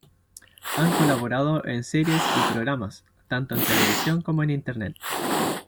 Han colaborado en series y programas, tanto en televisión como en Internet.